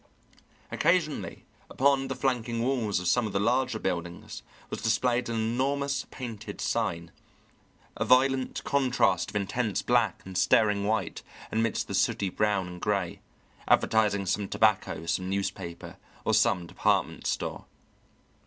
Occasionally upon the flanking walls of some of the larger buildings was displayed an enormous painted sign, a violent contrast of intense black and staring white amidst the sooty brown and gray, advertising some tobacco, some newspaper, or some department store.